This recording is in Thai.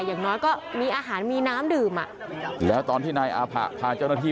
อย่างน้อยก็มีอาหารมีน้ำดื่มอ่ะแล้วตอนที่นายอาผะพาเจ้าหน้าที่